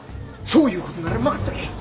そういうことなら任せとけ。